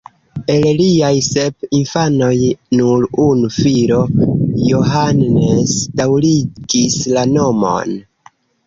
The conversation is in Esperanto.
El liaj sep infanoj nur unu filo Johannes daŭrigis la nomon.